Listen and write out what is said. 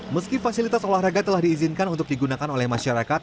meski fasilitas olahraga telah diizinkan untuk digunakan oleh masyarakat